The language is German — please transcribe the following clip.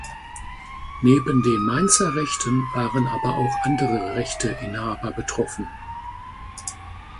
Neben den Mainzer Rechten waren aber auch andere Rechteinhaber betroffen.